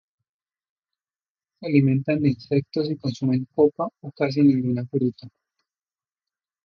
Se alimentan de insectos y consumen poca o casi ninguna fruta.